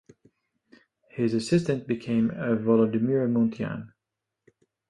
His assistant became Volodymyr Muntyan.